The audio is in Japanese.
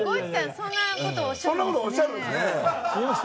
そんなことおっしゃるんですね。